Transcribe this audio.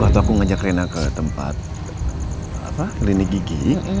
waktu aku ngajak rina ke tempat klinik gigi